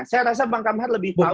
saya rasa bang kamhar lebih tahu